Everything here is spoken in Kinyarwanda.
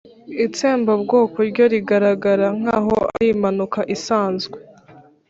itsembabwoko ryo rigaragara nkaho ari impanuka isanzwe